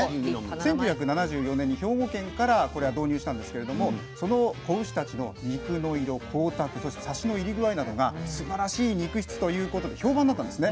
１９７４年に兵庫県からこれは導入したんですけれどもその子牛たちの肉の色光沢そしてサシの入り具合などがすばらしい肉質ということで評判になったんですね。